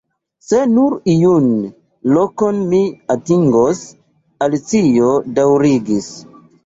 "Se nur iun lokon mi atingos," Alicio daŭrigis.